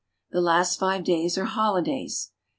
The last five days are holidays.